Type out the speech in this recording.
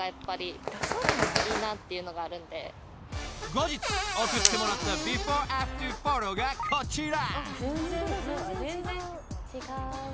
［後日送ってもらったビフォーアフターフォトがこちら］